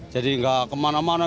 jadi nggak kemana mana